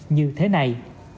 như thế này